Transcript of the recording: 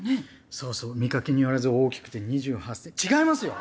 そうそう見かけによらず大きくて２８センチ違いますよ！